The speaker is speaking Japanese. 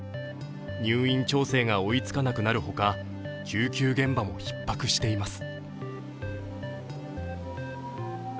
入院調整が追いつかなくなるほか救急現場もひっ迫しています。